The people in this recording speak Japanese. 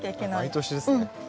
毎年ですね。